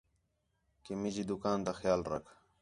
کہ مینجی دُکان تا خیال رکھ